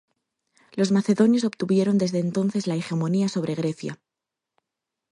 Los macedonios obtuvieron desde entonces la hegemonía sobre Grecia.